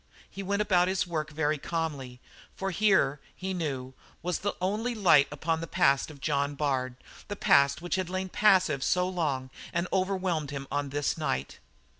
He went about his work very calmly, for here, he knew, was the only light upon the past of John Bard, that past which had lain passive so long and overwhelmed him on this night.